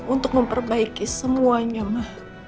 untuk memperbaiki semuanya ma